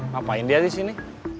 ngapain dia disini